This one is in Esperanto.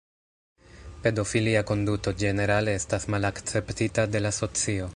Pedofilia konduto ĝenerale estas malakceptita de la socio.